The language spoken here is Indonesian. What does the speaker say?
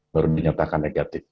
baru dinyatakan negatif